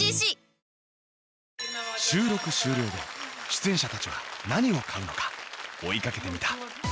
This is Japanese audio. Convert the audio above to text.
出演者たちは何を買うのか追いかけてみた。